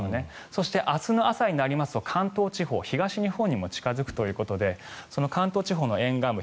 そして、明日の朝になりますと関東地方、東日本にも近付くということで関東地方の沿岸部